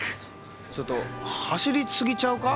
ちょっと走り過ぎちゃうか？